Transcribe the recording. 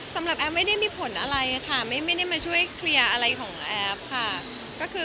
แอฟไม่ได้มีผลอะไรค่ะไม่ได้มาช่วยเคลียร์อะไรของแอฟค่ะ